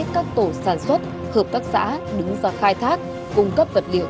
các tổ sản xuất hợp tác xã đứng ra khai thác cung cấp vật liệu